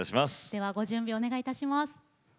ではご準備お願いいたします。